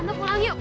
tante pulang yuk